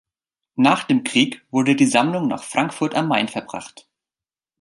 Nach dem Krieg wurde die Sammlung nach Frankfurt am Main verbracht.